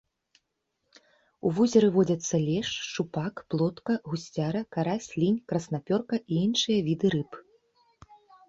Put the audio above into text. У возеры водзяцца лешч, шчупак, плотка, гусцяра, карась, лінь, краснапёрка і іншыя віды рыб.